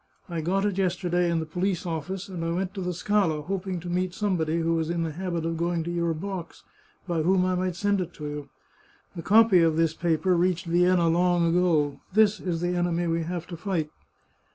I got it yesterday in the police office, and I went to the Scala, hoping to meet somebody who was in the habit of going to your box, by whom I might send it to you. The copy of this paper reached Vienna long ago. This is the enemy we have to fight